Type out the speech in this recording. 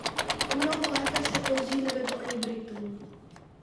O mnoho lépe se později nevedlo ani Britům.